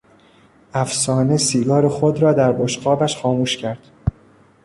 افسانه سیگار خود را در بشقابش خاموش کرد.